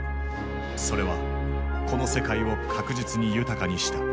それはこの世界を確実に豊かにした。